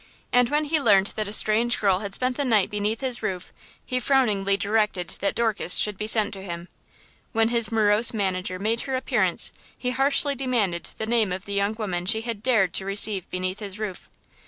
And when he learned that a strange girl had spent the night beneath his roof, he frowningly directed that Dorcas should be sent to him. When his morose manager made her appearance he harshly demanded the name of the young woman she had dared to receive beneath his roof.